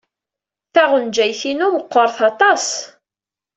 Taɣenjayt-inu meɣɣret aṭas.